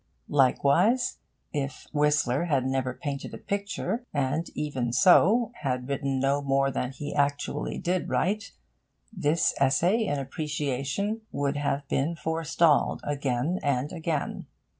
Likewise, if Whistler had never painted a picture, and, even so, had written no more than he actually did write, this essay in appreciation would have been forestalled again and again.